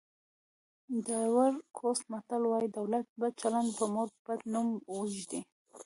د ایوُري کوسټ متل وایي د اولاد بد چلند په مور بد نوم ږدي.